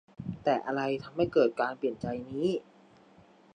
แต่อะไรทำให้เกิดการเปลี่ยนใจนี้